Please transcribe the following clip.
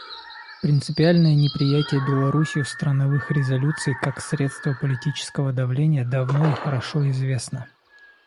Принципиальное неприятие Беларусью страновых резолюций как средства политического давления давно и хорошо известно.